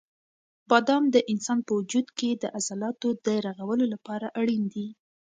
بادام د انسان په وجود کې د عضلاتو د رغولو لپاره اړین دي.